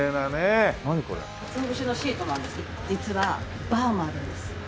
実はバーもあるんです。